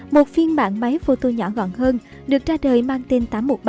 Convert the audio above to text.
một phiên bản máy photo nhỏ gọn hơn được ra đời mang tên tám trăm một mươi ba